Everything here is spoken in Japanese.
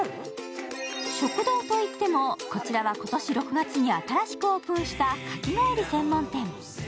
食堂といっても、こちらは今年６月に新しくオープンしたかき氷専門店。